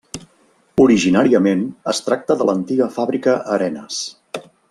Originàriament es tracta de l'antiga fàbrica Arenes.